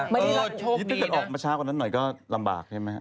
คิดถ้าเกิดออกมาช้ากว่านั้นหน่อยก็ลำบากใช่ไหม